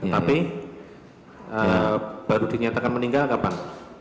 tapi baru dinyatakan meninggal kapan